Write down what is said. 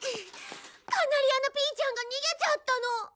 カナリアのピーちゃんが逃げちゃったの。